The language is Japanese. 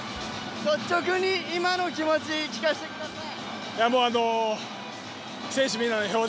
率直に、今の気持ち聞かせてください。